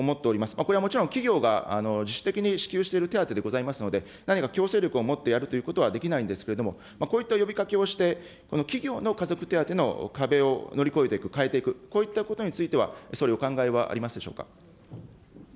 これはもちろん、企業が自主的に支給している手当でございますので、何か強制力をもってやるということはできないんですけれども、こういった呼びかけをして、企業の家族手当の壁を乗り越えていく、変えていく、こういったことについては、総理、お考えはあります